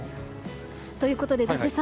ということで、伊達さん。